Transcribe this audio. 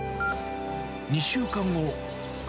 ２週間後。